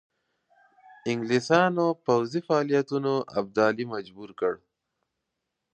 انګلیسیانو پوځي فعالیتونو ابدالي مجبور کړ.